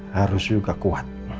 harus juga kuat